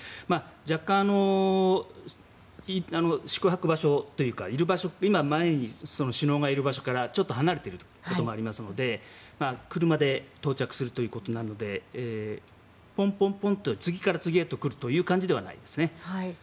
若干、宿泊場所というか前に首脳がいる場所からちょっと離れていることもありますので車で到着するということなのでポンポンと次から次へと来る感じではないです。